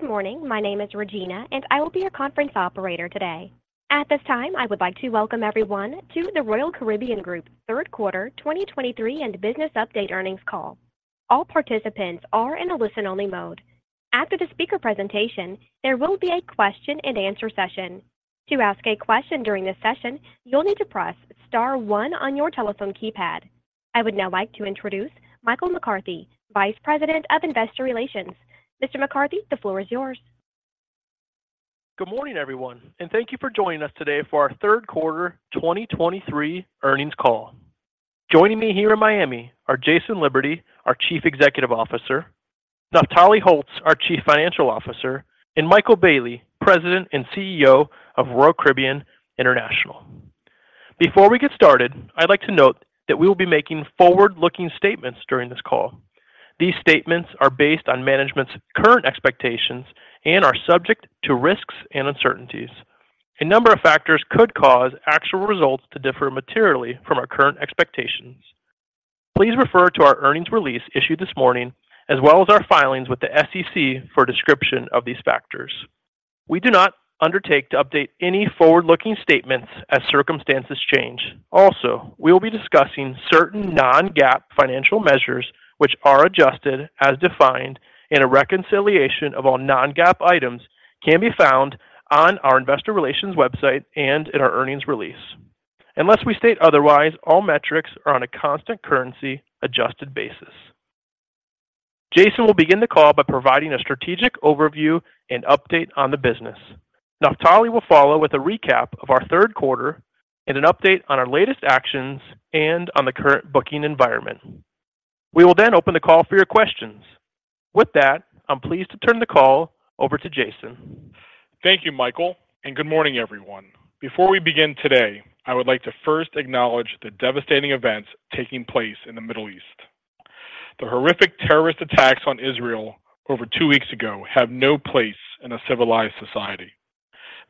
Good morning, my name is Regina, and I will be your conference operator today. At this time, I would like to welcome everyone to the Royal Caribbean Group third quarter 2023 and business update earnings call. All participants are in a listen-only mode. After the speaker presentation, there will be a question-and-answer session. To ask a question during this session, you'll need to press star one on your telephone keypad. I would now like to introduce Michael McCarthy, Vice President of Investor Relations. Mr. McCarthy, the floor is yours. Good morning, everyone, and thank you for joining us today for our third quarter 2023 earnings call. Joining me here in Miami are Jason Liberty, our Chief Executive Officer, Naftali Holtz, our Chief Financial Officer, and Michael Bayley, President and CEO of Royal Caribbean International. Before we get started, I'd like to note that we will be making forward-looking statements during this call. These statements are based on management's current expectations and are subject to risks and uncertainties. A number of factors could cause actual results to differ materially from our current expectations. Please refer to our earnings release issued this morning, as well as our filings with the SEC for a description of these factors. We do not undertake to update any forward-looking statements as circumstances change. Also, we will be discussing certain non-GAAP financial measures, which are adjusted as defined in a reconciliation of all non-GAAP items, which can be found on our investor relations website and in our earnings release. Unless we state otherwise, all metrics are on a constant currency-adjusted basis. Jason will begin the call by providing a strategic overview and update on the business. Naftali will follow with a recap of our third quarter and an update on our latest actions and on the current booking environment. We will then open the call for your questions. With that, I'm pleased to turn the call over to Jason. Thank you, Michael, and good morning, everyone. Before we begin today, I would like to first acknowledge the devastating events taking place in the Middle East. The horrific terrorist attacks on Israel over two weeks ago have no place in a civilized society.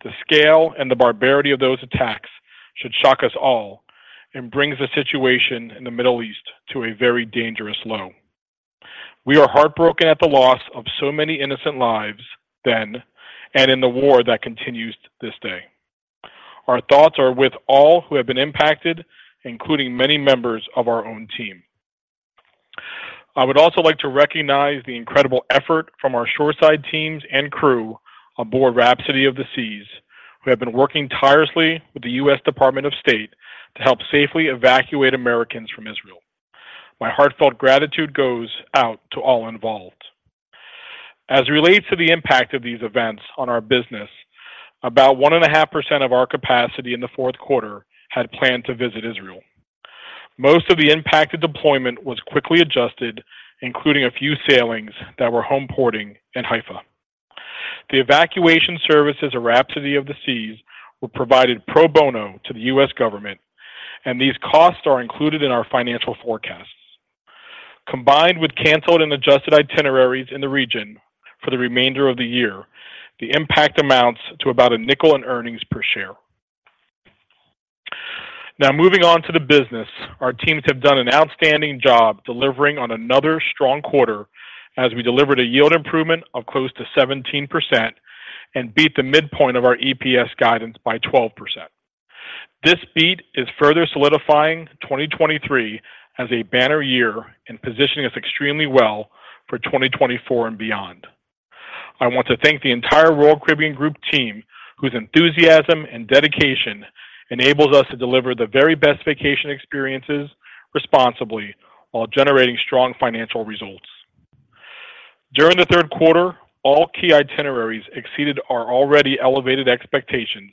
The scale and the barbarity of those attacks should shock us all and brings the situation in the Middle East to a very dangerous low. We are heartbroken at the loss of so many innocent lives then, and in the war that continues to this day. Our thoughts are with all who have been impacted, including many members of our own team. I would also like to recognize the incredible effort from our shoreside teams and crew on board Rhapsody of the Seas, who have been working tirelessly with the U.S. Department of State to help safely evacuate Americans from Israel. My heartfelt gratitude goes out to all involved. As it relates to the impact of these events on our business, about 1.5% of our capacity in the fourth quarter had planned to visit Israel. Most of the impacted deployment was quickly adjusted, including a few sailings that were homeporting in Haifa. The evacuation services of Rhapsody of the Seas were provided pro bono to the U.S. government, and these costs are included in our financial forecasts. Combined with canceled and adjusted itineraries in the region for the remainder of the year, the impact amounts to about $0.05 in earnings per share. Now, moving on to the business, our teams have done an outstanding job delivering on another strong quarter as we delivered a yield improvement of close to 17% and beat the midpoint of our EPS guidance by 12%. This beat is further solidifying 2023 as a banner year and positioning us extremely well for 2024 and beyond. I want to thank the entire Royal Caribbean Group team, whose enthusiasm and dedication enables us to deliver the very best vacation experiences responsibly while generating strong financial results. During the third quarter, all key itineraries exceeded our already elevated expectations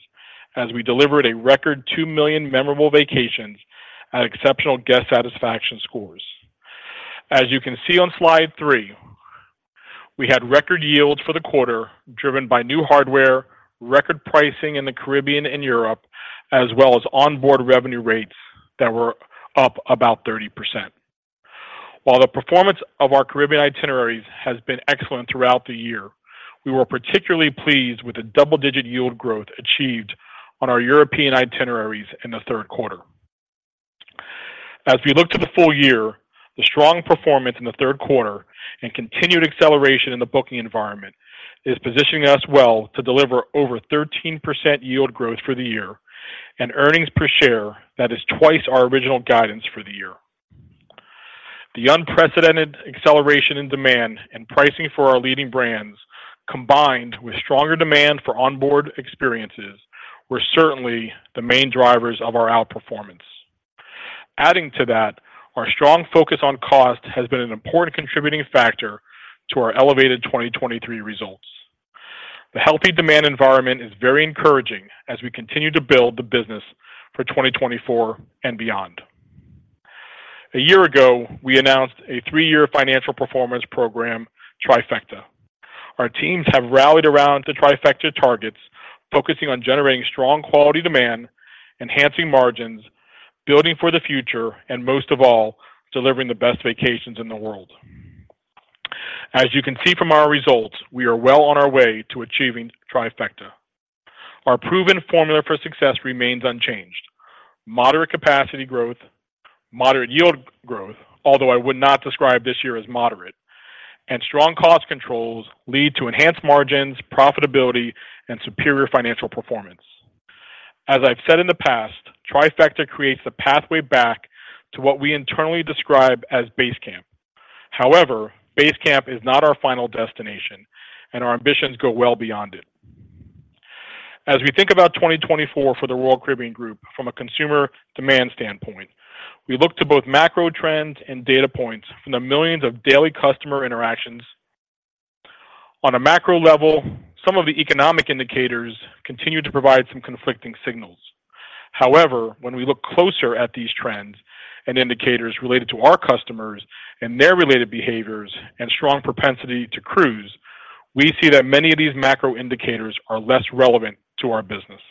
as we delivered a record 2 million memorable vacations at exceptional guest satisfaction scores. As you can see on slide three, we had record yields for the quarter, driven by new hardware, record pricing in the Caribbean and Europe, as well as onboard revenue rates that were up about 30%. While the performance of our Caribbean itineraries has been excellent throughout the year, we were particularly pleased with the double-digit yield growth achieved on our European itineraries in the third quarter. As we look to the full year, the strong performance in the third quarter and continued acceleration in the booking environment is positioning us well to deliver over 13% yield growth for the year and earnings per share that is twice our original guidance for the year. The unprecedented acceleration in demand and pricing for our leading brands, combined with stronger demand for onboard experiences, were certainly the main drivers of our outperformance. Adding to that, our strong focus on cost has been an important contributing factor to our elevated 2023 results. The healthy demand environment is very encouraging as we continue to build the business for 2024 and beyond. A year ago, we announced a three-year financial performance program, Trifecta. Our teams have rallied around the Trifecta targets, focusing on generating strong quality demand, enhancing margins, building for the future, and most of all, delivering the best vacations in the world. As you can see from our results, we are well on our way to achieving Trifecta. Our proven formula for success remains unchanged. Moderate capacity growth, moderate yield growth, although I would not describe this year as moderate, and strong cost controls lead to enhanced margins, profitability, and superior financial performance. As I've said in the past, Trifecta creates the pathway back to what we internally describe as base camp. However, base camp is not our final destination, and our ambitions go well beyond it. As we think about 2024 for the Royal Caribbean Group from a consumer demand standpoint, we look to both macro trends and data points from the millions of daily customer interactions. On a macro level, some of the economic indicators continue to provide some conflicting signals. However, when we look closer at these trends and indicators related to our customers and their related behaviors and strong propensity to cruise, we see that many of these macro indicators are less relevant to our business.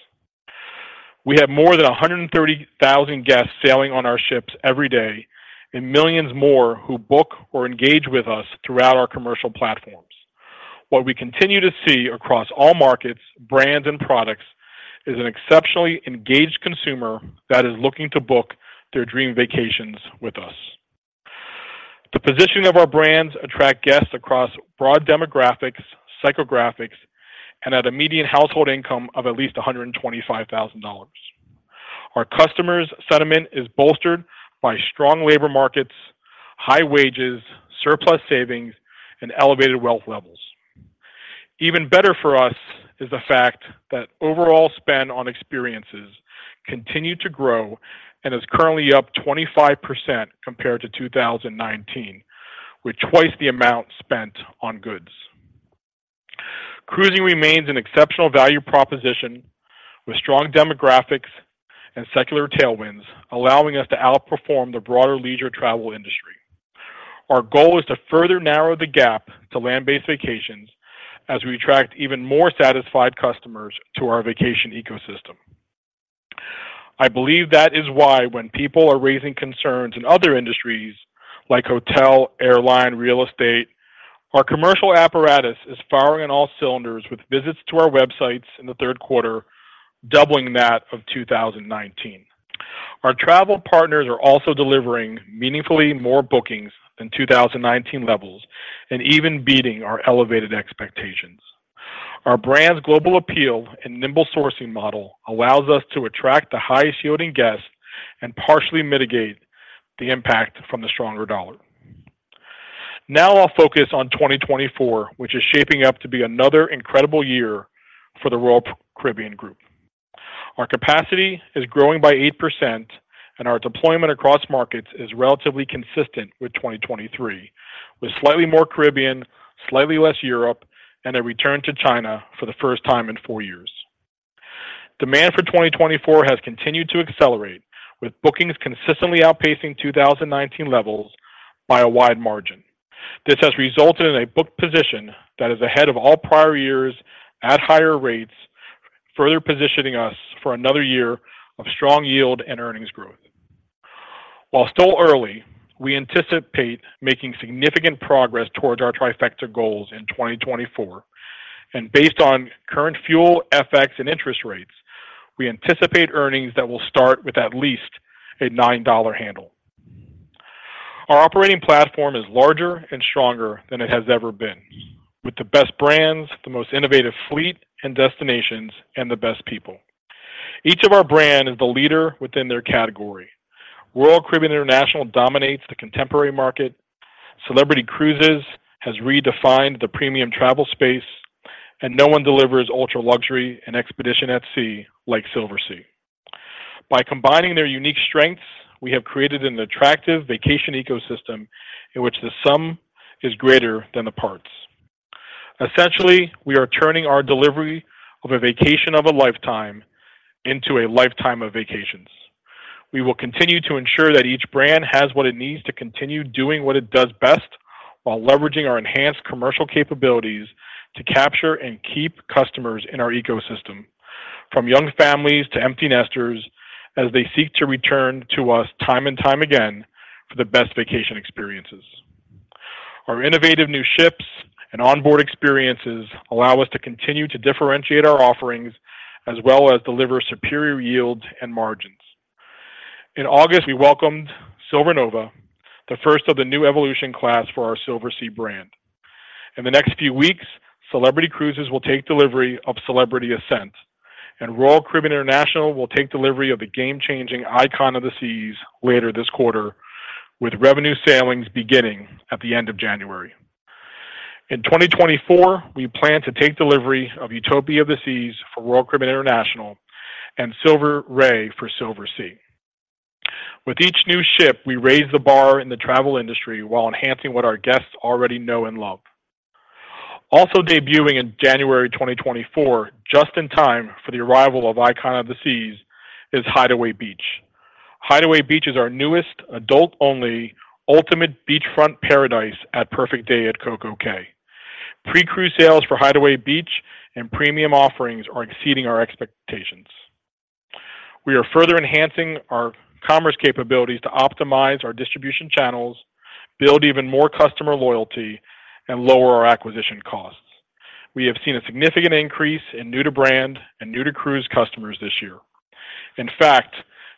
We have more than 130,000 guests sailing on our ships every day, and millions more who book or engage with us throughout our commercial platforms. What we continue to see across all markets, brands, and products is an exceptionally engaged consumer that is looking to book their dream vacations with us. The positioning of our brands attract guests across broad demographics, psychographics, and at a median household income of at least $125,000. Our customers' sentiment is bolstered by strong labor markets, high wages, surplus savings, and elevated wealth levels. Even better for us is the fact that overall spend on experiences continue to grow and is currently up 25% compared to 2019, with twice the amount spent on goods. Cruising remains an exceptional value proposition with strong demographics and secular tailwinds, allowing us to outperform the broader leisure travel industry. Our goal is to further narrow the gap to land-based vacations as we attract even more satisfied customers to our vacation ecosystem. I believe that is why when people are raising concerns in other industries like hotel, airline, real estate, our commercial apparatus is firing on all cylinders, with visits to our websites in the third quarter, doubling that of 2019. Our travel partners are also delivering meaningfully more bookings than 2019 levels and even beating our elevated expectations. Our brand's global appeal and nimble sourcing model allows us to attract the highest-yielding guests and partially mitigate the impact from the stronger dollar. Now I'll focus on 2024, which is shaping up to be another incredible year for the Royal Caribbean Group. Our capacity is growing by 8%, and our deployment across markets is relatively consistent with 2023, with slightly more Caribbean, slightly less Europe, and a return to China for the first time in four years. Demand for 2024 has continued to accelerate, with bookings consistently outpacing 2019 levels by a wide margin. This has resulted in a booking position that is ahead of all prior years at higher rates, further positioning us for another year of strong yield and earnings growth. While still early, we anticipate making significant progress towards our Trifecta goals in 2024, and based on current fuel, FX, and interest rates, we anticipate earnings that will start with at least a $9 handle. Our operating platform is larger and stronger than it has ever been, with the best brands, the most innovative fleet and destinations, and the best people. Each of our brand is the leader within their category. Royal Caribbean International dominates the contemporary market. Celebrity Cruises has redefined the premium travel space, and no one delivers ultra-luxury and expedition at sea like Silversea. By combining their unique strengths, we have created an attractive vacation ecosystem in which the sum is greater than the parts. Essentially, we are turning our delivery of a vacation of a lifetime into a lifetime of vacations. We will continue to ensure that each brand has what it needs to continue doing what it does best while leveraging our enhanced commercial capabilities to capture and keep customers in our ecosystem, from young families to empty nesters, as they seek to return to us time and time again for the best vacation experiences. Our innovative new ships and onboard experiences allow us to continue to differentiate our offerings as well as deliver superior yields and margins. In August, we welcomed Silver Nova, the first of the new Evolution class for our Silversea brand. In the next few weeks, Celebrity Cruises will take delivery of Celebrity Ascent, and Royal Caribbean International will take delivery of the game-changing Icon of the Seas later this quarter, with revenue sailings beginning at the end of January. In 2024, we plan to take delivery of Utopia of the Seas for Royal Caribbean International and Silver Ray for Silversea. With each new ship, we raise the bar in the travel industry while enhancing what our guests already know and love. Also debuting in January 2024, just in time for the arrival of Icon of the Seas, is Hideaway Beach. Hideaway Beach is our newest adult-only ultimate beachfront paradise at Perfect Day at CocoCay. Pre-cruise sales for Hideaway Beach and premium offerings are exceeding our expectations. We are further enhancing our commerce capabilities to optimize our distribution channels, build even more customer loyalty, and lower our acquisition costs. We have seen a significant increase in new-to-brand and new-to-cruise customers this year. In fact,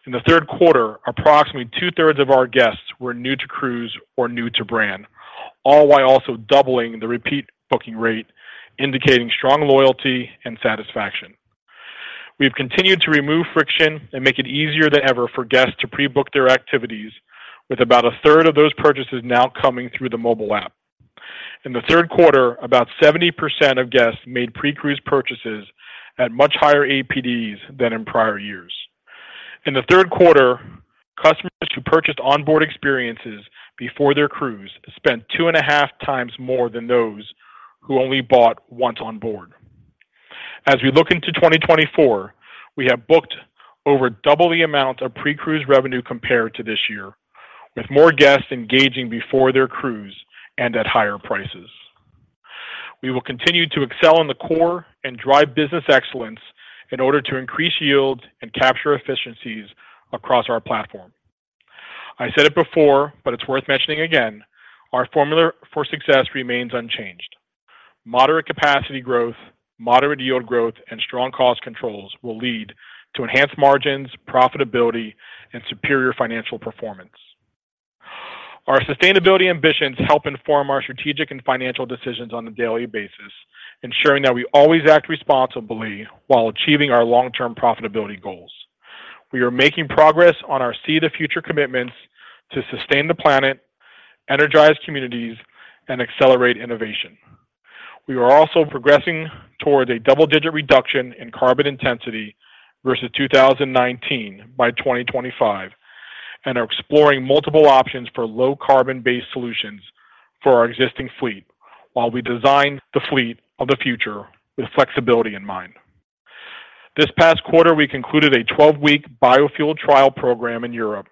in the third quarter, approximately 2/3 of our guests were new to cruise or new to brand, all while also doubling the repeat booking rate, indicating strong loyalty and satisfaction. We've continued to remove friction and make it easier than ever for guests to pre-book their activities, with about a third of those purchases now coming through the mobile app. In the third quarter, about 70% of guests made pre-cruise purchases at much higher APDs than in prior years. In the third quarter, customers who purchased onboard experiences before their cruise spent 2.5 times more than those who only bought once on board. As we look into 2024, we have booked over double the amount of pre-cruise revenue compared to this year, with more guests engaging before their cruise and at higher prices. We will continue to excel in the core and drive business excellence in order to increase yield and capture efficiencies across our platform. I said it before, but it's worth mentioning again, our formula for success remains unchanged. Moderate capacity growth, moderate yield growth, and strong cost controls will lead to enhanced margins, profitability, and superior financial performance. Our sustainability ambitions help inform our strategic and financial decisions on a daily basis, ensuring that we always act responsibly while achieving our long-term profitability goals. We are making progress on our SEA the Future commitments to sustain the planet, energize communities, and accelerate innovation. We are also progressing towards a double-digit reduction in carbon intensity versus 2019 by 2025, and are exploring multiple options for low carbon-based solutions for our existing fleet while we design the fleet of the future with flexibility in mind. This past quarter, we concluded a 12-week biofuel trial program in Europe,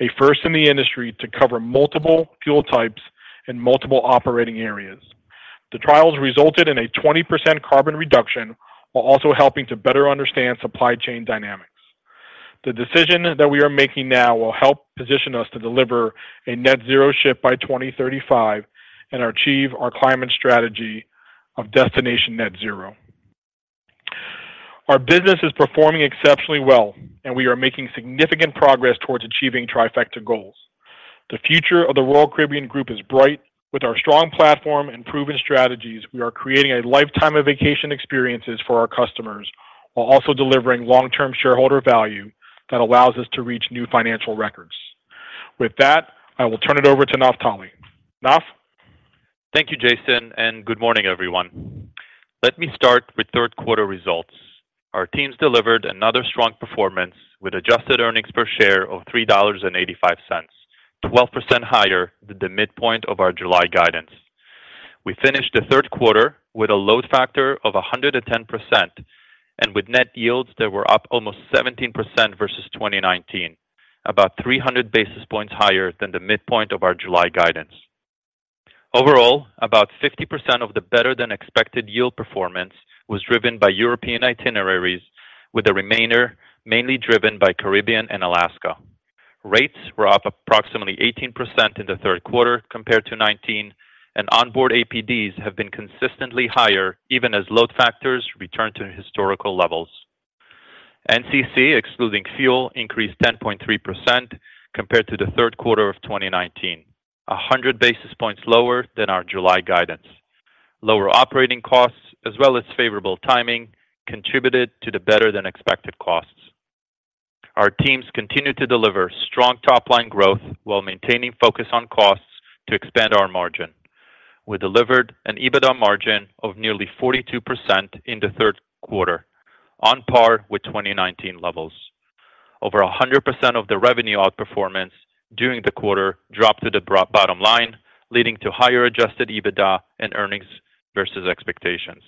a first in the industry to cover multiple fuel types in multiple operating areas. The trials resulted in a 20% carbon reduction, while also helping to better understand supply chain dynamics. The decision that we are making now will help position us to deliver a Net Zero ship by 2035 and achieve our climate strategy of destination Net Zero. Our business is performing exceptionally well, and we are making significant progress towards achieving Trifecta goals. The future of the Royal Caribbean Group is bright. With our strong platform and proven strategies, we are creating a lifetime of vacation experiences for our customers, while also delivering long-term shareholder value that allows us to reach new financial records. With that, I will turn it over to Naftali Holtz. Naftali? Thank you, Jason, and good morning, everyone. Let me start with third quarter results. Our teams delivered another strong performance with Adjusted Earnings Per Share of $3.85, 12% higher than the midpoint of our July guidance. We finished the third quarter with a load factor of 110% and with Net Yields that were up almost 17% versus 2019, about 300 basis points higher than the midpoint of our July guidance. Overall, about 50% of the better-than-expected yield performance was driven by European itineraries, with the remainder mainly driven by Caribbean and Alaska. Rates were up approximately 18% in the third quarter compared to 2019, and onboard APDs have been consistently higher, even as load factors return to historical levels. NCC, excluding fuel, increased 10.3% compared to the third quarter of 2019, 100 basis points lower than our July guidance. Lower operating costs, as well as favorable timing, contributed to the better-than-expected costs. Our teams continued to deliver strong top-line growth while maintaining focus on costs to expand our margin. We delivered an EBITDA margin of nearly 42% in the third quarter, on par with 2019 levels. Over 100% of the revenue outperformance during the quarter dropped to the bottom line, leading to higher adjusted EBITDA and earnings versus expectations.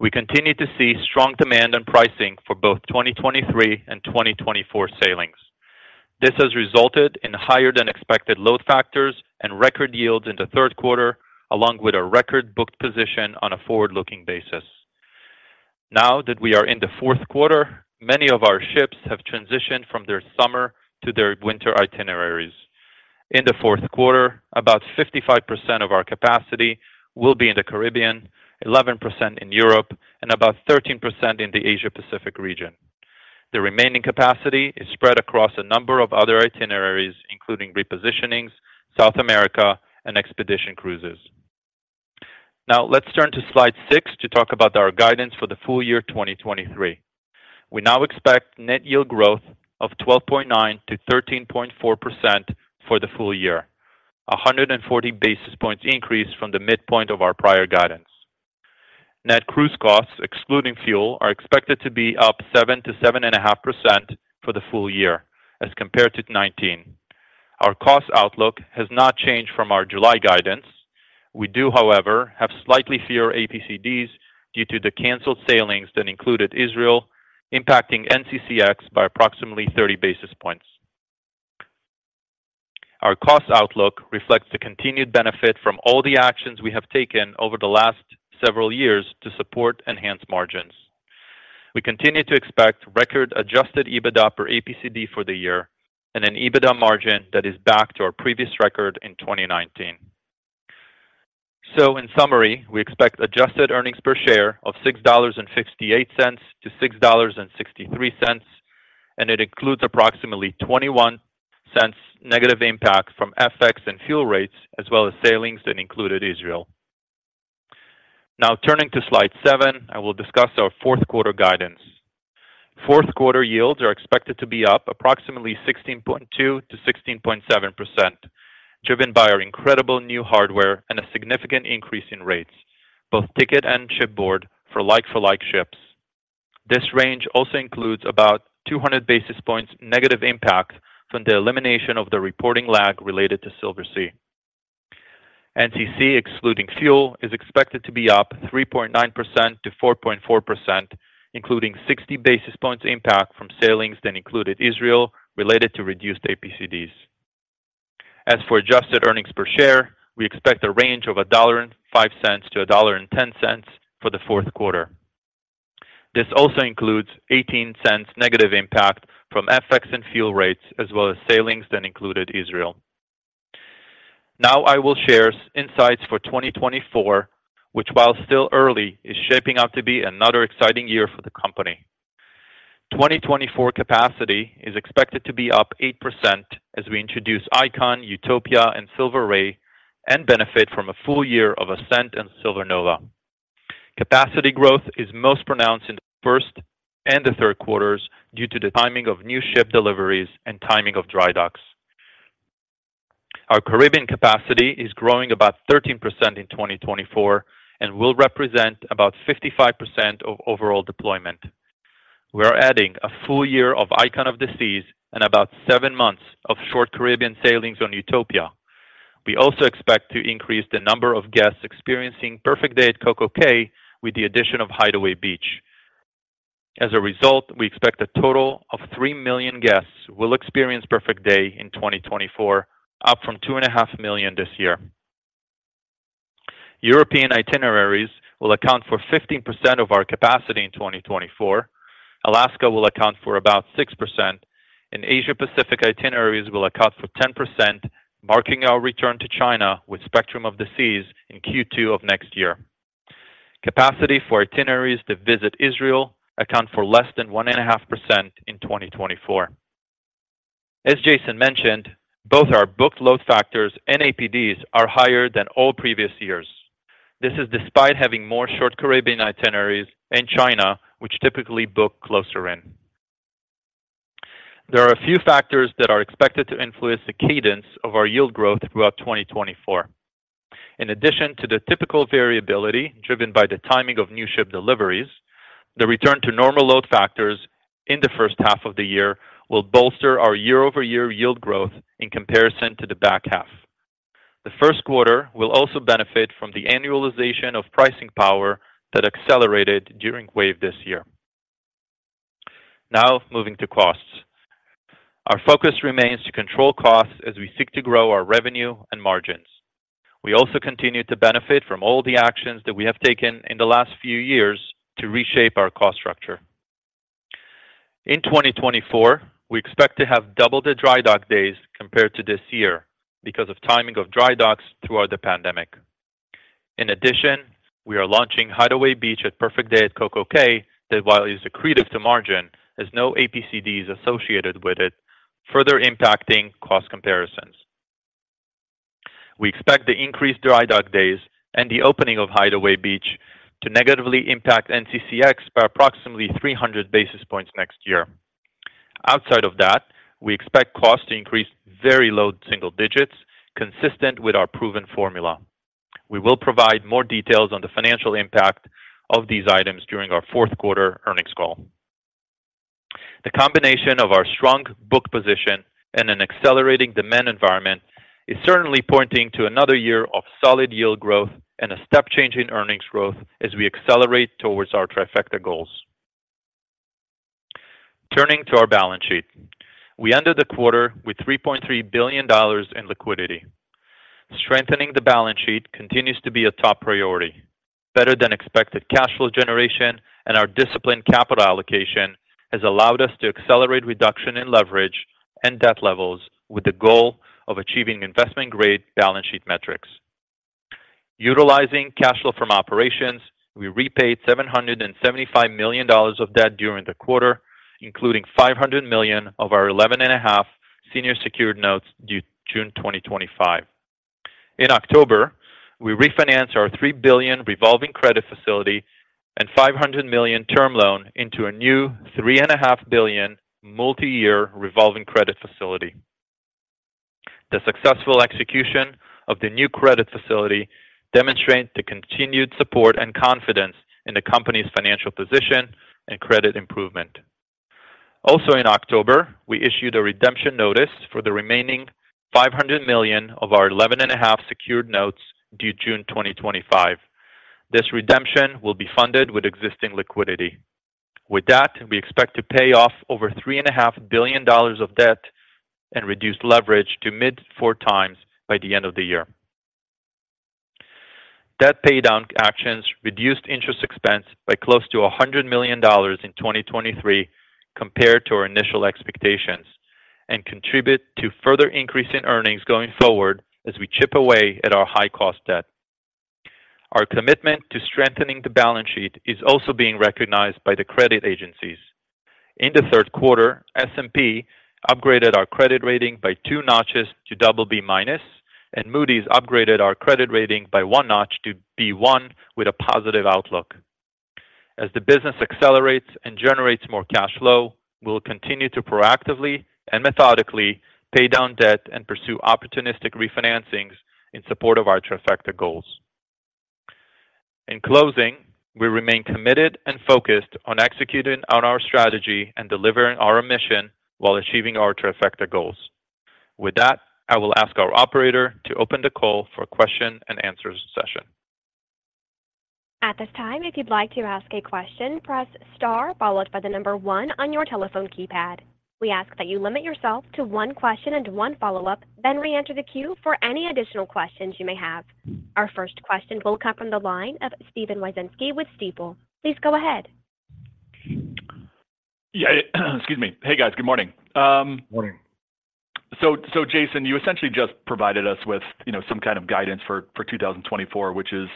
We continue to see strong demand and pricing for both 2023 and 2024 sailings. This has resulted in higher-than-expected load factors and record yields in the third quarter, along with a record booked position on a forward-looking basis. Now that we are in the fourth quarter, many of our ships have transitioned from their summer to their winter itineraries. In the fourth quarter, about 55% of our capacity will be in the Caribbean, 11% in Europe, and about 13% in the Asia Pacific region. The remaining capacity is spread across a number of other itineraries, including repositionings, South America, and expedition cruises. Now, let's turn to slide six to talk about our guidance for the full year 2023. We now expect Net Yield growth of 12.9%-13.4% for the full year, a 140 basis points increase from the midpoint of our prior guidance. Net Cruise Costs, excluding fuel, are expected to be up 7%-7.5% for the full year as compared to 2019. Our cost outlook has not changed from our July guidance. We do, however, have slightly fewer APCDs due to the canceled sailings that included Israel, impacting NCCX by approximately 30 basis points. Our cost outlook reflects the continued benefit from all the actions we have taken over the last several years to support enhanced margins. We continue to expect record-adjusted EBITDA per APCD for the year and an EBITDA margin that is back to our previous record in 2019. So in summary, we expect Adjusted Earnings Per Share of $6.68-$6.63, and it includes approximately -$0.21 negative impact from FX and fuel rates, as well as sailings that included Israel. Now, turning to slide seven, I will discuss our fourth quarter guidance. Fourth quarter yields are expected to be up approximately 16.2%-16.7%, driven by our incredible new hardware and a significant increase in rates, both ticket and shipboard, for like-for-like ships. This range also includes about 200 basis points negative impact from the elimination of the reporting lag related to Silversea. NCC, excluding fuel, is expected to be up 3.9%-4.4%, including 60 basis points impact from sailings that included Israel related to reduced APCDs. As for Adjusted Earnings Per Share, we expect a range of $1.05-$1.10 for the fourth quarter. This also includes $0.18 negative impact from FX and fuel rates, as well as sailings that included Israel. Now, I will share insights for 2024, which, while still early, is shaping up to be another exciting year for the company. 2024 capacity is expected to be up 8% as we introduce Icon, Utopia, and Silver Ray and benefit from a full year of Ascent and Silver Nova. Capacity growth is most pronounced in the first and the third quarters due to the timing of new ship deliveries and timing of dry docks. Our Caribbean capacity is growing about 13% in 2024 and will represent about 55% of overall deployment. We are adding a full year of Icon of the Seas and about seven months of short Caribbean sailings on Utopia. We also expect to increase the number of guests experiencing Perfect Day at CocoCay with the addition of Hideaway Beach. As a result, we expect a total of 3 million guests will experience Perfect Day in 2024, up from 2.5 million this year. European itineraries will account for 15% of our capacity in 2024. Alaska will account for about 6%, and Asia Pacific itineraries will account for 10%, marking our return to China with Spectrum of the Seas in Q2 of next year. Capacity for itineraries that visit Israel account for less than 1.5% in 2024. As Jason mentioned, both our booked load factors and APDs are higher than all previous years. This is despite having more short Caribbean itineraries in China, which typically book closer in. There are a few factors that are expected to influence the cadence of our yield growth throughout 2024. In addition to the typical variability driven by the timing of new ship deliveries, the return to normal load factors in the first half of the year will bolster our year-over-year yield growth in comparison to the back half. The first quarter will also benefit from the annualization of pricing power that accelerated during Wave this year. Now, moving to costs. Our focus remains to control costs as we seek to grow our revenue and margins. We also continue to benefit from all the actions that we have taken in the last few years to reshape our cost structure. In 2024, we expect to have double the dry dock days compared to this year because of timing of dry docks throughout the pandemic. In addition, we are launching Hideaway Beach at Perfect Day at CocoCay, that while is accretive to margin, has no APCDs associated with it, further impacting cost comparisons. We expect the increased dry dock days and the opening of Hideaway Beach to negatively impact NCCX by approximately 300 basis points next year. Outside of that, we expect costs to increase very low single digits, consistent with our proven formula. We will provide more details on the financial impact of these items during our fourth quarter earnings call. The combination of our strong book position and an accelerating demand environment is certainly pointing to another year of solid yield growth and a step change in earnings growth as we accelerate towards our Trifecta goals. Turning to our balance sheet. We ended the quarter with $3.3 billion in liquidity. Strengthening the balance sheet continues to be a top priority. Better than expected cash flow generation and our disciplined capital allocation has allowed us to accelerate reduction in leverage and debt levels with the goal of achieving investment-grade balance sheet metrics. Utilizing cash flow from operations, we repaid $775 million of debt during the quarter, including $500 million of our 11.5 senior secured notes due June 2025. In October, we refinanced our $3 billion revolving credit facility and $500 million term loan into a new $3.5 billion multi-year revolving credit facility. The successful execution of the new credit facility demonstrate the continued support and confidence in the company's financial position and credit improvement. Also in October, we issued a redemption notice for the remaining $500 million of our 11.5% secured notes due June 2025. This redemption will be funded with existing liquidity. With that, we expect to pay off over $3.5 billion of debt and reduce leverage to mid-4x by the end of the year. Debt paydown actions reduced interest expense by close to $100 million in 2023 compared to our initial expectations, and contribute to further increase in earnings going forward as we chip away at our high-cost debt. Our commitment to strengthening the balance sheet is also being recognized by the credit agencies. In the third quarter, S&P upgraded our credit rating by two notches to BB, and Moody's upgraded our credit rating by one notch to B1 with a positive outlook. As the business accelerates and generates more cash flow, we'll continue to proactively and methodically pay down debt and pursue opportunistic refinancings in support of our Trifecta goals. In closing, we remain committed and focused on executing on our strategy and delivering our mission while achieving our Trifecta goals. With that, I will ask our operator to open the call for question and answer session. At this time, if you'd like to ask a question, press star followed by the number one on your telephone keypad. We ask that you limit yourself to one question and one follow-up, then reenter the queue for any additional questions you may have. Our first question will come from the line of Steven Wieczynski with Stifel. Please go ahead. Yeah, excuse me. Hey, guys. Good morning. Morning. So, Jason, you essentially just provided us with, you know, some kind of guidance for 2024, which is,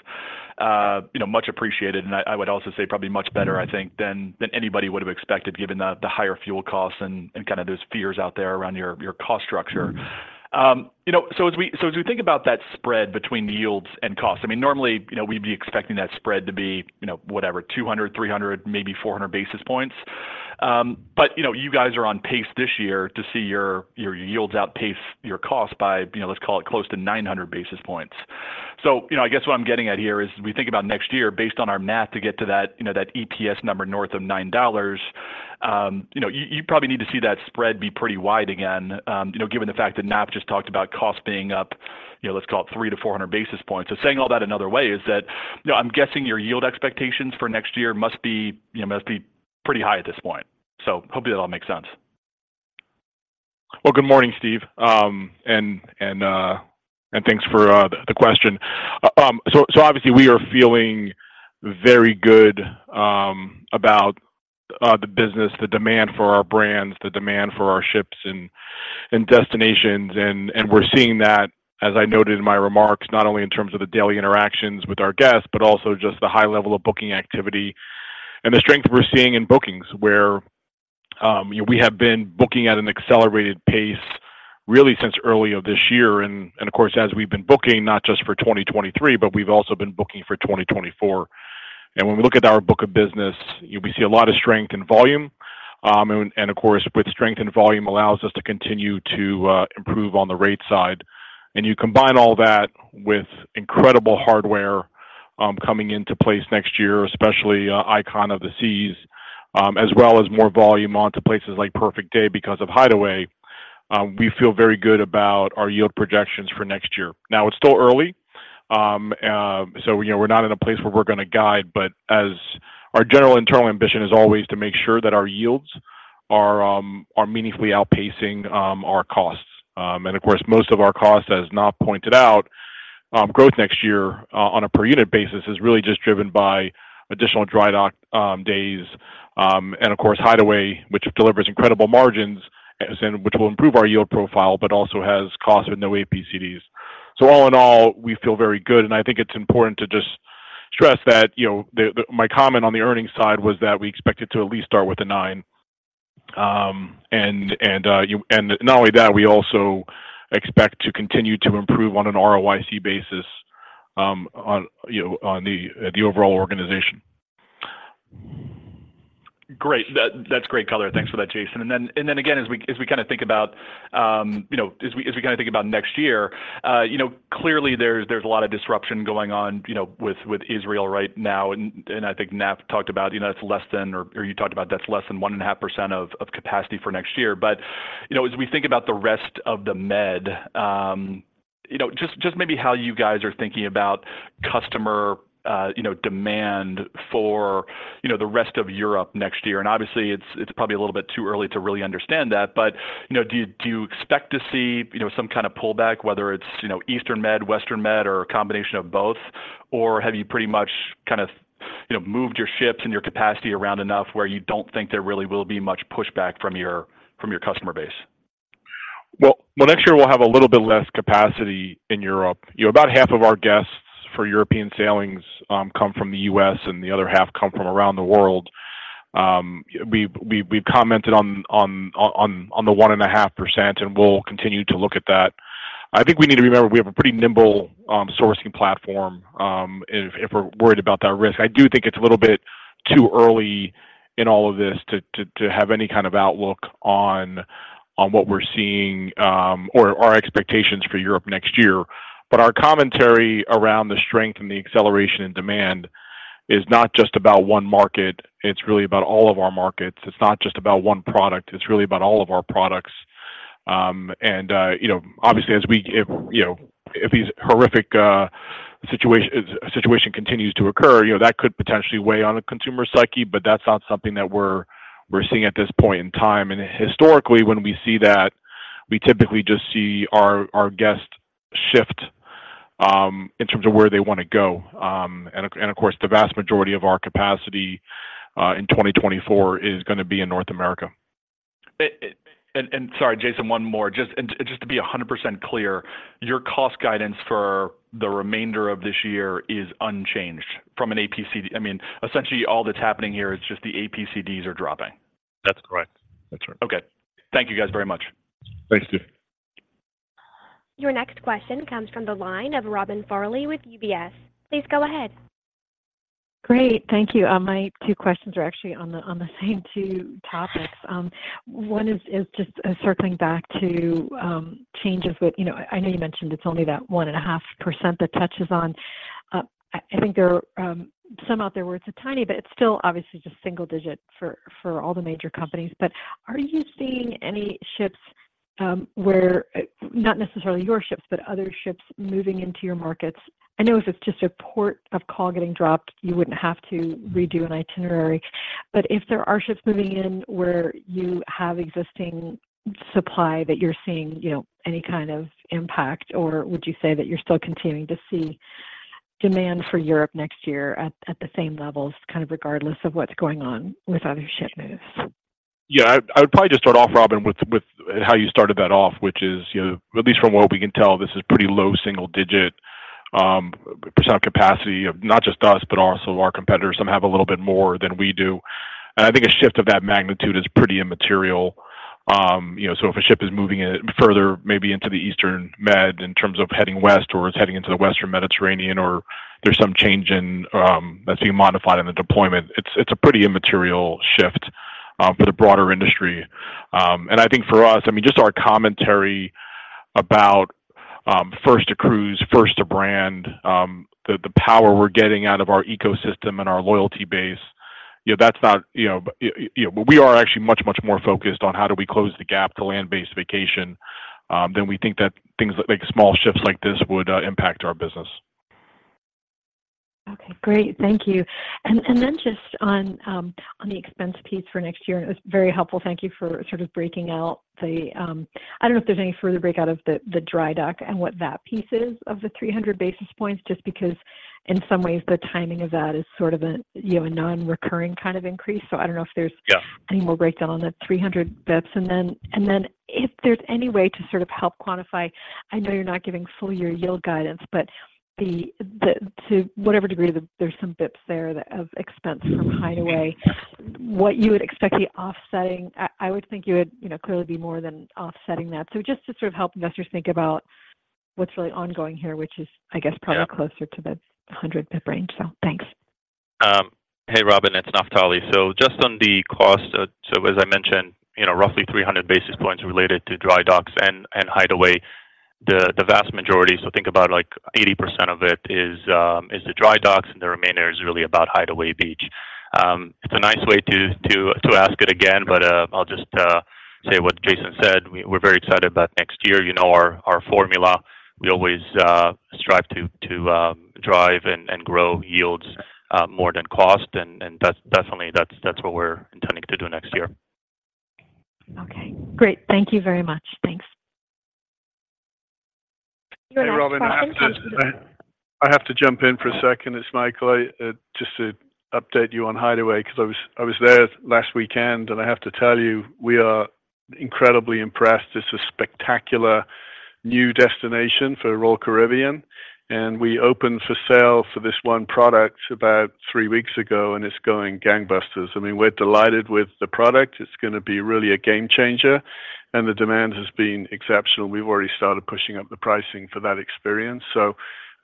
you know, much appreciated, and I would also say probably much better, I think, than anybody would have expected, given the higher fuel costs and kind of those fears out there around your cost structure. You know, so as we think about that spread between yields and costs, I mean, normally, you know, we'd be expecting that spread to be, you know, whatever, 200, 300, maybe 400 basis points. But you know, you guys are on pace this year to see your yields outpace your costs by, you know, let's call it close to 900 basis points. So, you know, I guess what I'm getting at here is, we think about next year based on our math to get to that, you know, that EPS number north of $9, you know, you probably need to see that spread be pretty wide again, you know, given the fact that Naft just talked about costs being up, you know, let's call it 300-400 basis points. So saying all that another way is that, you know, I'm guessing your yield expectations for next year must be, you know, must be pretty high at this point. So hopefully that all makes sense. Well, good morning, Steven, and thanks for the question. So obviously we are feeling very good about the business, the demand for our brands, the demand for our ships and destinations. And we're seeing that, as I noted in my remarks, not only in terms of the daily interactions with our guests, but also just the high level of booking activity and the strength we're seeing in bookings, where we have been booking at an accelerated pace, really since early of this year. And of course, as we've been booking not just for 2023, but we've also been booking for 2024. And when we look at our book of business, we see a lot of strength in volume, and of course, with strength in volume allows us to continue to improve on the rate side. And you combine all that with incredible hardware coming into place next year, especially Icon of the Seas, as well as more volume onto places like Perfect Day because of Hideaway, we feel very good about our yield projections for next year. Now, it's still early. So we're not in a place where we're gonna guide, but as our general internal ambition is always to make sure that our yields are meaningfully outpacing our costs. And of course, most of our costs, as Knapp pointed out, growth next year on a per unit basis is really just driven by additional dry dock days, and of course, Hideaway, which delivers incredible margins, as in which will improve our yield profile, but also has costs with no APCDs. So all in all, we feel very good, and I think it's important to just stress that, you know, my comment on the earnings side was that we expect it to at least start with a nine. And not only that, we also expect to continue to improve on an ROIC basis, you know, on the overall organization. Great. That's great color. Thanks for that, Jason. And then, and then again, as we, as we kind of think about, you know, as we, as we kind of think about next year, you know, clearly there's, there's a lot of disruption going on, you know, with, with Israel right now, and, and I think Naftali talked about, you know, it's less than or you talked about that's less than 1.5% of, of capacity for next year. But, you know, as we think about the rest of the Med, you know, just, just maybe how you guys are thinking about customer, you know, demand for, you know, the rest of Europe next year. Obviously, it's probably a little bit too early to really understand that, but, you know, do you expect to see, you know, some kind of pullback, whether it's, you know, Eastern Med, Western Med, or a combination of both? Or have you pretty much kind of, you know, moved your ships and your capacity around enough where you don't think there really will be much pushback from your customer base? Well, well, next year we'll have a little bit less capacity in Europe. You know, about half of our guests for European sailings come from the U.S., and the other half come from around the world. We've commented on the 1.5%, and we'll continue to look at that. I think we need to remember we have a pretty nimble sourcing platform if we're worried about that risk. I do think it's a little bit too early in all of this to have any kind of outlook on what we're seeing or our expectations for Europe next year. But our commentary around the strength and the acceleration in demand is not just about one market, it's really about all of our markets. It's not just about one product, it's really about all of our products. And, you know, obviously, as if, you know, if these horrific situation continues to occur, you know, that could potentially weigh on the consumer psyche, but that's not something that we're seeing at this point in time. And historically, when we see that, we typically just see our guests shift in terms of where they want to go. And, of course, the vast majority of our capacity in 2024 is going to be in North America. Sorry, Jason, one more. Just to be 100% clear, your cost guidance for the remainder of this year is unchanged from an APCD? I mean, essentially, all that's happening here is just the APCDs are dropping. That's correct. That's right. Okay. Thank you, guys, very much. Thanks, Steve. Your next question comes from the line of Robin Farley with UBS. Please go ahead. Great. Thank you. My two questions are actually on the, on the same two topics. One is just circling back to, changes with... You know, I know you mentioned it's only that 1.5% that touches on. I think there are some out there where it's tiny, but it's still obviously just single digit for all the major companies. But are you seeing any ships, where not necessarily your ships, but other ships moving into your markets? I know if it's just a port of call getting dropped, you wouldn't have to redo an itinerary. But if there are ships moving in where you have existing supply that you're seeing, you know, any kind of impact, or would you say that you're still continuing to see demand for Europe next year at the same levels, kind of, regardless of what's going on with other ship moves? Yeah, I would probably just start off, Robin, with how you started that off, which is, you know, at least from what we can tell, this is pretty low single-digit percent of capacity of not just us, but also our competitors. Some have a little bit more than we do. And I think a shift of that magnitude is pretty immaterial. You know, so if a ship is moving further, maybe into the Eastern Med in terms of heading west or it's heading into the Western Mediterranean, or there's some change in modified in the deployment, it's a pretty immaterial shift for the broader industry. And I think for us, I mean, just our commentary about, first to cruise, first to brand, the power we're getting out of our ecosystem and our loyalty base, you know, that's not, but we are actually much, much more focused on how do we close the gap to land-based vacation, than we think that things like small shifts like this would impact our business. Okay, great. Thank you. And then just on the expense piece for next year, and it was very helpful, thank you for sort of breaking out the... I don't know if there's any further breakout of the dry dock and what that piece is of the 300 basis points, just because in some ways the timing of that is sort of a, you know, a non-recurring kind of increase. So I don't know if there's- Yeah... any more breakdown on the 300 basis points. And then, and then if there's any way to sort of help quantify, I know you're not giving full year yield guidance, but the, the, to whatever degree there's some basis points there that of expense from Hideaway, what you would expect the offsetting... I, I would think you would, you know, clearly be more than offsetting that. So just to sort of help investors think about what's really ongoing here, which is, I guess- Yeah Probably closer to the 100 pip range. So thanks. Hey, Robin, it's Naftali. So just on the cost, so as I mentioned, you know, roughly 300 basis points related to dry docks and Hideaway, the vast majority, so think about, like, 80% of it is the dry docks, and the remainder is really about Hideaway Beach. It's a nice way to ask it again, but, I'll just say what Jason said, we're very excited about next year. You know, our formula, we always strive to drive and grow yields more than cost, and that's definitely- that's what we're intending to do next year. Okay, great. Thank you very much. Thanks. Hey, Robin, I have to jump in for a second. It's Michael. I just to update you on Hideaway, because I was there last weekend, and I have to tell you, we are incredibly impressed. This is a spectacular new destination for Royal Caribbean, and we opened for sale for this one product about three weeks ago, and it's going gangbusters. I mean, we're delighted with the product. It's gonna be really a game changer, and the demand has been exceptional. We've already started pushing up the pricing for that experience. So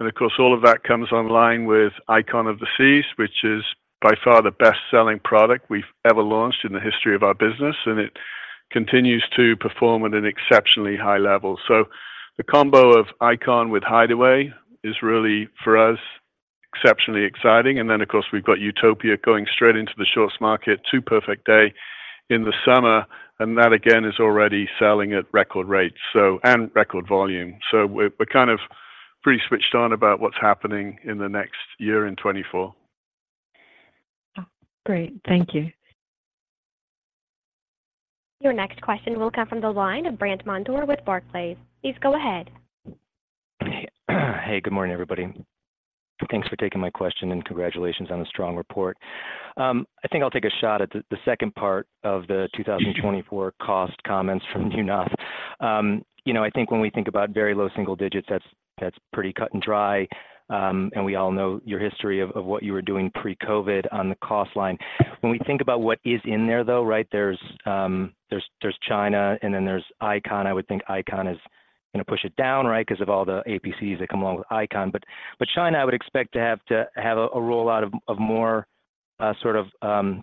and of course, all of that comes online with Icon of the Seas, which is by far the best-selling product we've ever launched in the history of our business, and it continues to perform at an exceptionally high level. So the combo of Icon with Hideaway is really, for us, exceptionally exciting. And then, of course, we've got Utopia going straight into the shorts market, to Perfect Day in the Summer, and that again is already selling at record rates, so, and record volume. So we're, we're kind of pretty switched on about what's happening in the next year in 2024. Oh, great. Thank you. Your next question will come from the line of Brandt Montour with Barclays. Please go ahead. Hey, good morning, everybody. Thanks for taking my question, and congratulations on the strong report. I think I'll take a shot at the second part of the 2024 cost comments from you, Naft. You know, I think when we think about very low single digits, that's pretty cut and dry, and we all know your history of what you were doing pre-COVID on the cost line. When we think about what is in there, though, right? There's China, and then there's Icon. I would think Icon is gonna push it down, right? Because of all the APCDs that come along with Icon. But China, I would expect to have a rollout of more sort of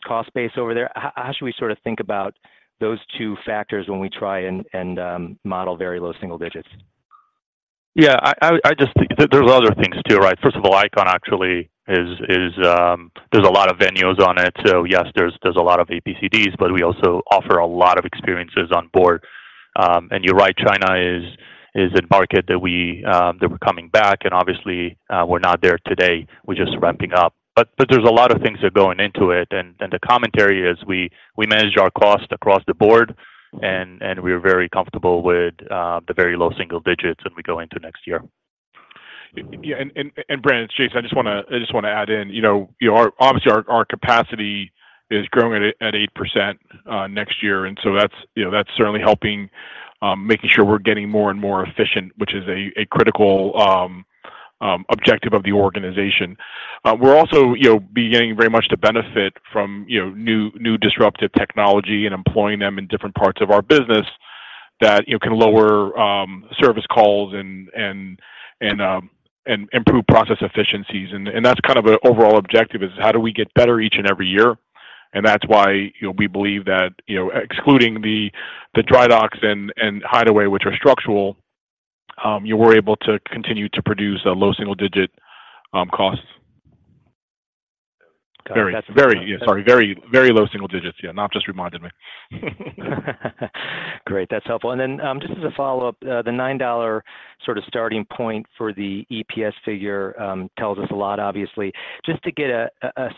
cost base over there. How should we sort of think about those two factors when we try and model very low single digits? .Yeah, I just think there's other things, too, right? First of all, Icon actually is, there's a lot of venues on it. So yes, there's a lot of ABCDs, but we also offer a lot of experiences on board. And you're right, China is a market that we're coming back, and obviously, we're not there today. We're just ramping up. But there's a lot of things that are going into it, and the commentary is we managed our cost across the board, and we're very comfortable with the very low single digits as we go into next year. Yeah, Brandt, it's Jason. I just wanna add in, you know, obviously, our capacity is growing at 8%, next year, and so that's, you know, that's certainly helping, making sure we're getting more and more efficient, which is a critical objective of the organization. We're also, you know, beginning very much to benefit from, you know, new disruptive technology and employing them in different parts of our business that, you know, can lower service calls and improve process efficiencies. And that's kind of an overall objective, is how do we get better each and every year? That's why, you know, we believe that, you know, excluding the dry docks and Hideaway, which are structural, you know, we're able to continue to produce a low single-digit costs. Very, very, yeah, sorry, very, very low single digits. Yeah, Naf just reminded me. Great, that's helpful. And then, just as a follow-up, the $9 sort of starting point for the EPS figure tells us a lot, obviously. Just to get a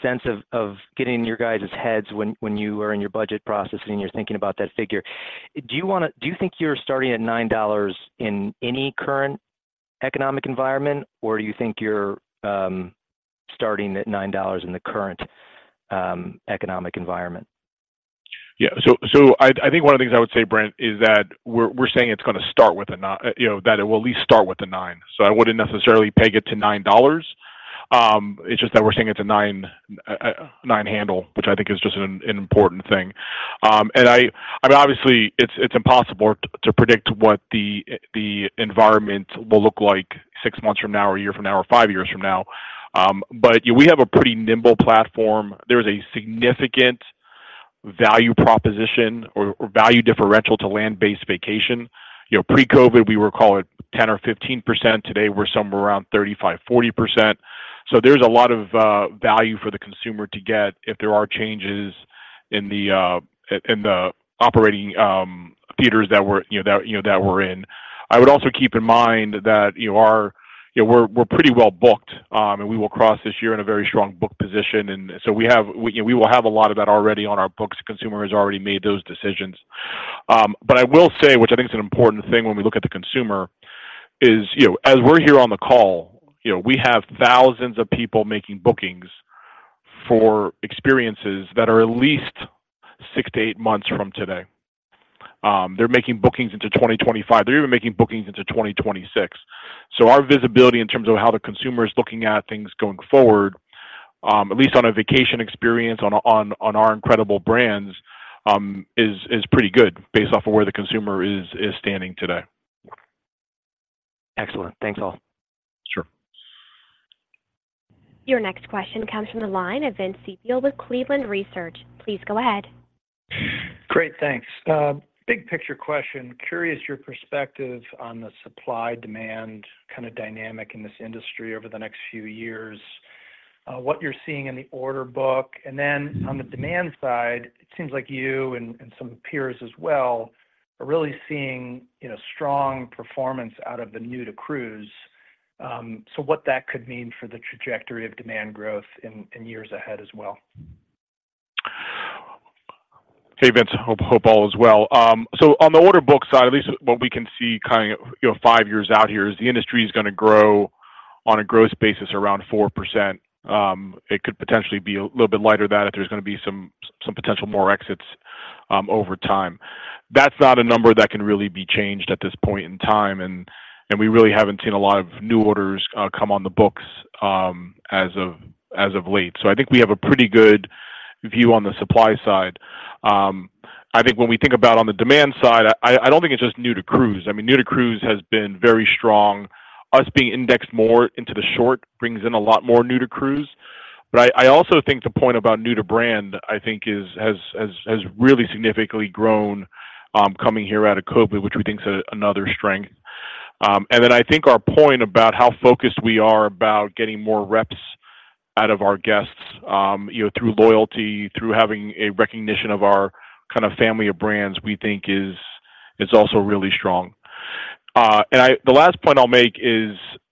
sense of getting in your guys' heads when you were in your budget processing and you're thinking about that figure, do you think you're starting at $9 in any current economic environment, or do you think you're starting at $9 in the current economic environment? Yeah. So I think one of the things I would say, Brandt, is that we're saying it's gonna start with a nine—you know, that it will at least start with a nine. So I wouldn't necessarily peg it to $9. It's just that we're saying it's a nine—nine handle, which I think is just an important thing. And I mean, obviously, it's impossible to predict what the environment will look like six months from now, or a year from now, or five years from now, but yeah, we have a pretty nimble platform. There is a significant value proposition or value differential to land-based vacation. You know, pre-COVID, we were call it 10% or 15%. Today, we're somewhere around 35%-40%. So there's a lot of value for the consumer to get if there are changes in the operating theaters that we're, you know, that, you know, that we're in. I would also keep in mind that, you know, our... You know, we're pretty well booked, and we will cross this year in a very strong book position, and so we will have a lot of that already on our books. Consumer has already made those decisions. But I will say, which I think is an important thing when we look at the consumer, is, you know, as we're here on the call, you know, we have thousands of people making bookings for experiences that are at least six to eight months from today. They're making bookings into 2025. They're even making bookings into 2026. Our visibility in terms of how the consumer is looking at things going forward, at least on a vacation experience on our incredible brands, is pretty good based off of where the consumer is standing today. Excellent. Thanks, all. Sure. Your next question comes from the line of Vince Ciepiel with Cleveland Research. Please go ahead. Great, thanks. Big picture question. Curious your perspective on the supply-demand kind of dynamic in this industry over the next few years, what you're seeing in the order book. And then on the demand side, it seems like you and some peers as well, are really seeing, you know, strong performance out of the new-to-cruise. So what that could mean for the trajectory of demand growth in years ahead as well? Hey, Vince. Hope, hope all is well. So on the order book side, at least what we can see kind of, you know, five years out here, is the industry is gonna grow on a growth basis around 4%. It could potentially be a little bit lighter than that if there's gonna be some, some potential more exits over time. That's not a number that can really be changed at this point in time, and, and we really haven't seen a lot of new orders come on the books as of, as of late. So I think we have a pretty good view on the supply side. I think when we think about on the demand side, I, I don't think it's just new to cruise. I mean, new to cruise has been very strong. Our being indexed more into the short brings in a lot more new to cruise. But I also think the point about new to brand, I think, is has really significantly grown, coming here out of COVID, which we think is another strength. And then I think our point about how focused we are about getting more reps out of our guests, you know, through loyalty, through having a recognition of our kind of family of brands, we think is also really strong. And the last point I'll make is,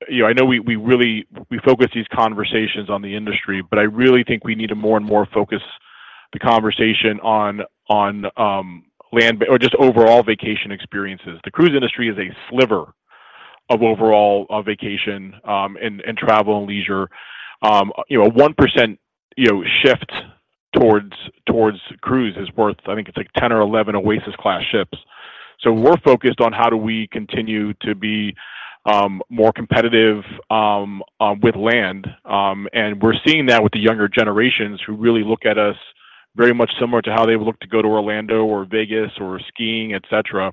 you know, I know we really focus these conversations on the industry, but I really think we need to more and more focus the conversation on, on land- or just overall vacation experiences. The cruise industry is a sliver of overall vacation and travel and leisure. You know, 1% shift towards cruise is worth, I think it's like 10 or 11 Oasis Class ships. So we're focused on how do we continue to be more competitive with land. And we're seeing that with the younger generations who really look at us very much similar to how they would look to go to Orlando or Vegas or skiing, et cetera.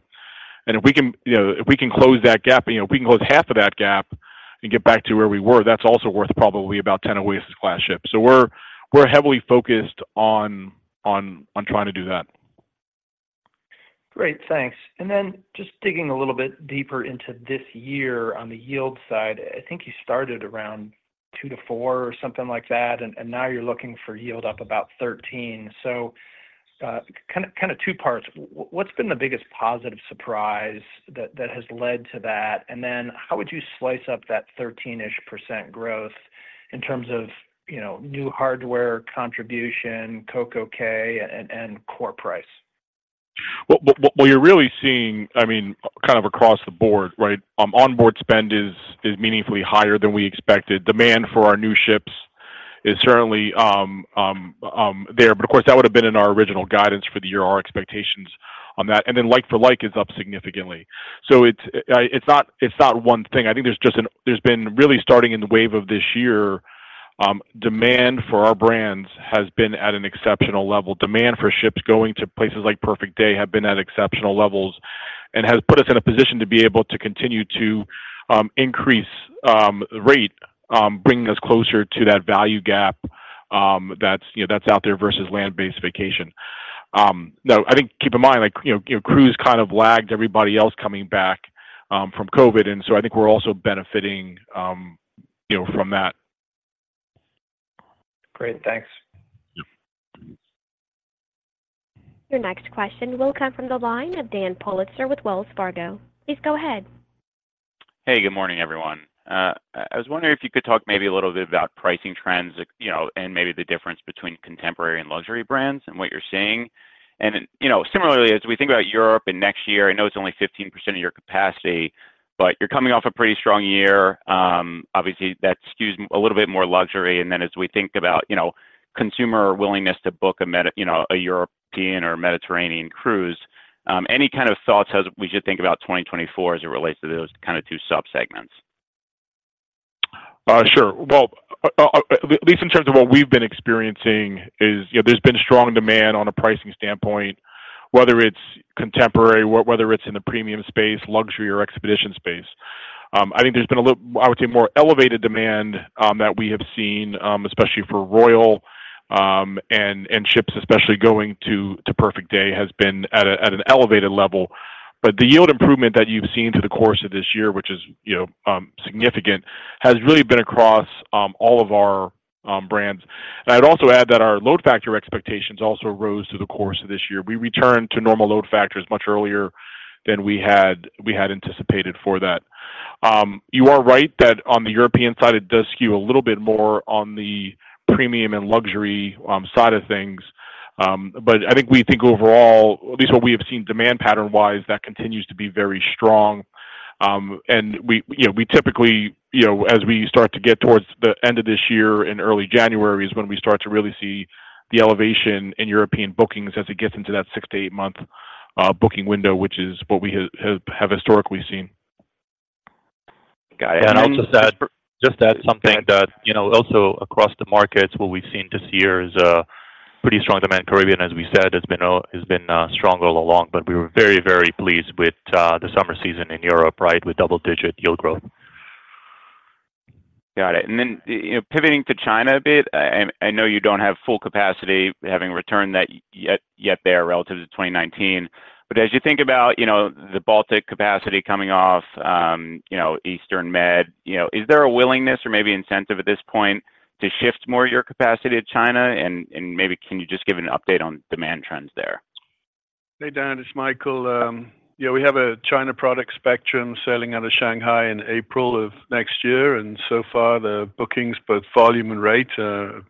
And if we can, you know, if we can close that gap, you know, if we can close half of that gap and get back to where we were, that's also worth probably about 10 Oasis Class ships. So we're heavily focused on trying to do that. Great, thanks. Then just digging a little bit deeper into this year on the yield side, I think you started around two to four or something like that, and now you're looking for yield up about 13%. So, kind of two parts. What's been the biggest positive surprise that has led to that? And then how would you slice up that 13%-ish growth in terms of, you know, new hardware contribution, CocoCay, and core price? Well, well, well, what you're really seeing, I mean, kind of across the board, right? Onboard spend is meaningfully higher than we expected. Demand for our new ships is certainly there, but of course, that would have been in our original guidance for the year, our expectations on that. And then like-for-like is up significantly. So it's not one thing. I think there's just there's been really starting in the wave of this year, demand for our brands has been at an exceptional level. Demand for ships going to places like Perfect Day has been at exceptional levels and has put us in a position to be able to continue to increase rate, bringing us closer to that value gap, you know, that's out there versus land-based vacation. Now, I think, keep in mind, like, you know, cruise kind of lagged everybody else coming back from COVID, and so I think we're also benefiting, you know, from that. Great, thanks. Yep. Your next question will come from the line of Dan Politzer with Wells Fargo. Please go ahead. Hey, good morning, everyone. I was wondering if you could talk maybe a little bit about pricing trends, you know, and maybe the difference between contemporary and luxury brands and what you're seeing. You know, similarly, as we think about Europe and next year, I know it's only 15% of your capacity, but you're coming off a pretty strong year. Obviously, that skews a little bit more luxury. And then as we think about, you know, consumer willingness to book a you know, a European or a Mediterranean cruise, any kind of thoughts as we should think about 2024 as it relates to those kind of two subsegments? Sure. Well, at least in terms of what we've been experiencing is, you know, there's been strong demand on a pricing standpoint, whether it's contemporary, whether it's in the premium space, luxury or expedition space. I think there's been a little, I would say, more elevated demand, that we have seen, especially for Royal, and ships especially going to Perfect Day has been at an elevated level. But the yield improvement that you've seen through the course of this year, which is, you know, significant, has really been across all of our brands. And I'd also add that our load factor expectations also rose through the course of this year. We returned to normal load factors much earlier than we had anticipated for that. You are right that on the European side, it does skew a little bit more on the premium and luxury side of things. But I think we think overall, at least what we have seen demand pattern-wise, that continues to be very strong. And you know, we typically, you know, as we start to get towards the end of this year and early January is when we start to really see the elevation in European bookings as it gets into that six to eight month booking window, which is what we have historically seen. Got it. And I'll just add, just to add something that, you know, also across the markets, what we've seen this year is a pretty strong demand. Caribbean, as we said, has been strong all along, but we were very, very pleased with the summer season in Europe, right, with double-digit yield growth. Got it. And then, you know, pivoting to China a bit, I know you don't have full capacity, having returned that yet there relative to 2019. But as you think about, you know, the Baltic capacity coming off, you know, Eastern Med, you know, is there a willingness or maybe incentive at this point to shift more of your capacity to China? And maybe can you just give an update on demand trends there? Hey, Dan, it's Michael. Yeah, we have a China product Spectrum sailing out of Shanghai in April of next year, and so far, the bookings, both volume and rate, are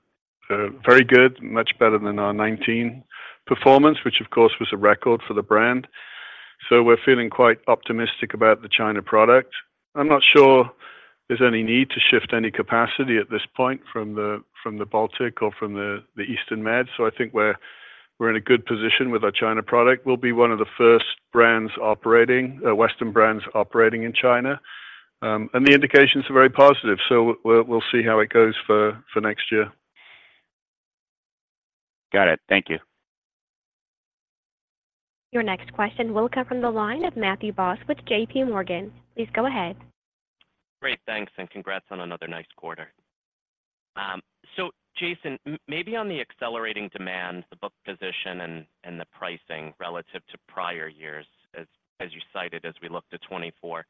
very good, much better than our 2019 performance, which of course was a record for the brand. So we're feeling quite optimistic about the China product. I'm not sure there's any need to shift any capacity at this point from the Baltic or from the Eastern Med. So I think we're in a good position with our China product. We'll be one of the first brands operating Western brands operating in China. And the indications are very positive, so we'll see how it goes for next year. Got it. Thank you. Your next question will come from the line of Matthew Boss with JPMorgan. Please go ahead. Great, thanks, and congrats on another nice quarter. So Jason, maybe on the accelerating demand, the book position and, and the pricing relative to prior years as, as you cited as we look to 2024.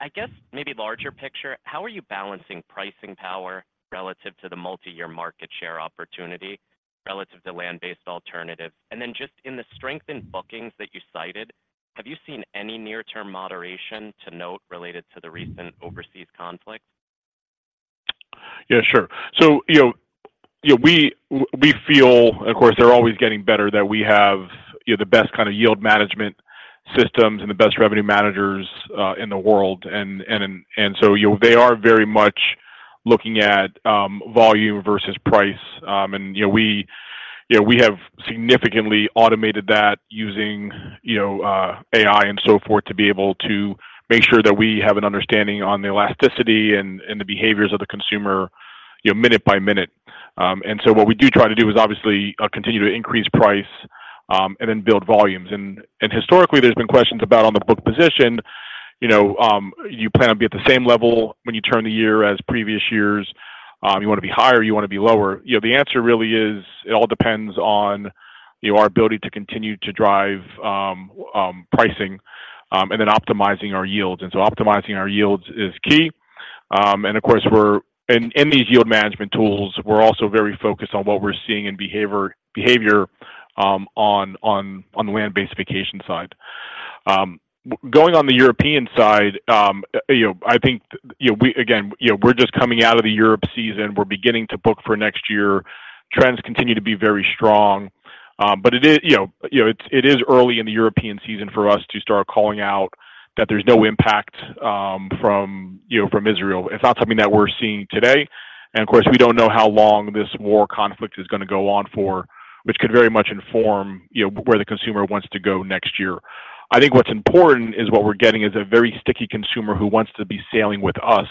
I guess maybe larger picture, how are you balancing pricing power relative to the multi-year market share opportunity, relative to land-based alternatives? And then just in the strength in bookings that you cited, have you seen any near-term moderation to note related to the recent overseas conflicts? Yeah, sure. So you know, we feel, of course, they're always getting better, that we have, you know, the best kind of yield management systems and the best revenue managers in the world. And so, you know, they are very much looking at volume versus price. And, you know, we have significantly automated that using, you know, AI and so forth, to be able to make sure that we have an understanding on the elasticity and the behaviors of the consumer, you know, minute by minute. And so what we do try to do is obviously continue to increase price and then build volumes. And historically, there's been questions about on the book position.... You know, you plan on be at the same level when you turn the year as previous years, you want to be higher, you want to be lower? You know, the answer really is, it all depends on, you know, our ability to continue to drive, pricing, and then optimizing our yields. And so optimizing our yields is key. And in these yield management tools, we're also very focused on what we're seeing in behavior, on the land-based vacation side. Going on the European side, you know, I think, you know, we, again, you know, we're just coming out of the Europe season. We're beginning to book for next year. Trends continue to be very strong, but it is, you know, it's early in the European season for us to start calling out that there's no impact from, you know, from Israel. It's not something that we're seeing today, and of course, we don't know how long this war conflict is going to go on for, which could very much inform, you know, where the consumer wants to go next year. I think what's important is what we're getting is a very sticky consumer who wants to be sailing with us,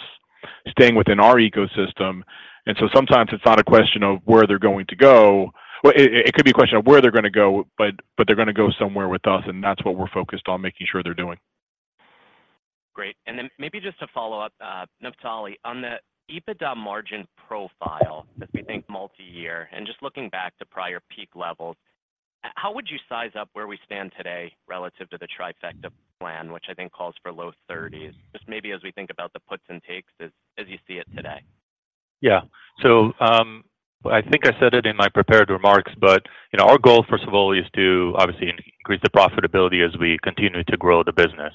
staying within our ecosystem. And so sometimes it's not a question of where they're going to go. Well, it could be a question of where they're going to go, but they're going to go somewhere with us, and that's what we're focused on making sure they're doing. Great. And then maybe just to follow up, Naftali, on the EBITDA margin profile, as we think multi-year, and just looking back to prior peak levels, how would you size up where we stand today relative to the Trifecta plan, which I think calls for low thirties? Just maybe as we think about the puts and takes as you see it today. Yeah. So, I think I said it in my prepared remarks, but you know, our goal, first of all, is to obviously increase the profitability as we continue to grow the business.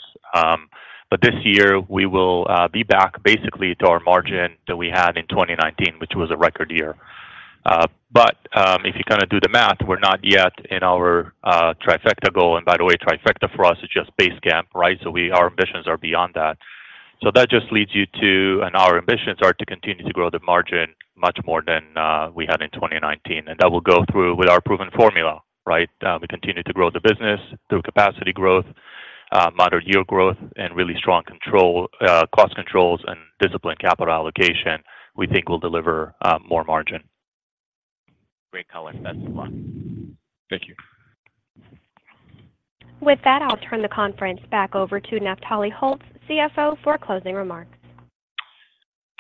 But this year, we will be back basically to our margin that we had in 2019, which was a record year. But, if you kind of do the math, we're not yet in our Trifecta goal. And by the way, Trifecta for us is just base camp, right? So our ambitions are beyond that. So that just leads you to. And our ambitions are to continue to grow the margin much more than we had in 2019, and that will go through with our proven formula, right? We continue to grow the business through capacity growth, moderate yield growth, and really strong control, cost controls and disciplined capital allocation, we think will deliver more margin. Great color. Thanks a lot. Thank you. With that, I'll turn the conference back over to Naftali Holtz, CFO, for closing remarks.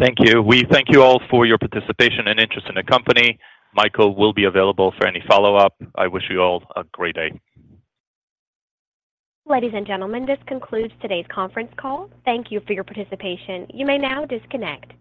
Thank you. We thank you all for your participation and interest in the company. Michael will be available for any follow-up. I wish you all a great day. Ladies and gentlemen, this concludes today's conference call. Thank you for your participation. You may now disconnect.